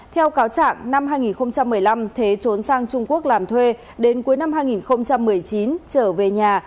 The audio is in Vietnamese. theo cáo trạng năm hai nghìn một mươi năm thế trốn sang trung quốc làm thuê đến cuối năm hai nghìn một mươi chín trở về nhà